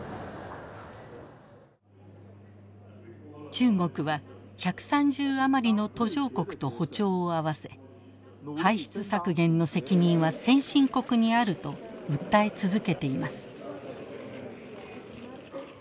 中国は１３０余りの途上国と歩調を合わせ排出削減の責任は先進国にあると訴え続けています。